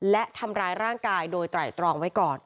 และทำร้ายร่างกายโดยไตรตรองไว้ก่อน